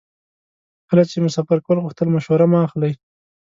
کله چې مو سفر کول غوښتل مشوره مه اخلئ.